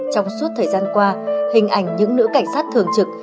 trong suốt thời gian qua hình ảnh những nữ cảnh sát thường trực